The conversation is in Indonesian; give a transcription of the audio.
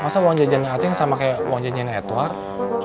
masa uang jajan nya acing sama kayak uang jajan nya edward